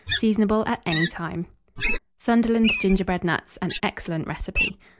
Seasonable at any time. SUNDERLAND GINGERBREAD NUTS. (An Excellent Recipe.)